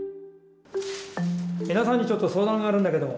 皆さんにちょっと相談があるんだけど。